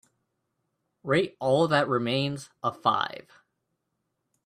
Rate All That Remains a five